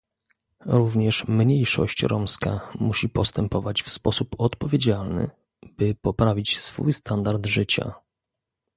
Również mniejszość romska musi postępować w sposób odpowiedzialny, by poprawić swój standard życia